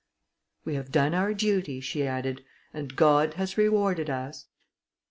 "We have done our duty," she added, "and God has rewarded us."